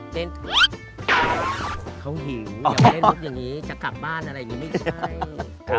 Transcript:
เขาหิวอย่ามาเล่นรถอย่างนี้จะกลับบ้านอะไรอย่างนี้ไม่ใช่